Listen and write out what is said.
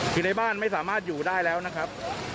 คือในบ้านไม่สามารถอยู่ได้แล้วนะครับ